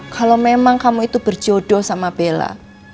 kalau memang kamu itu berjodoh sama bella